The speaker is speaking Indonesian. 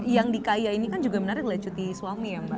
yang dikaya ini kan juga menarik adalah cuti suami ya mbak